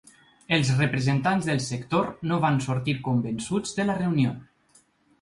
Els representants del sector no van sortir convençuts de la reunió.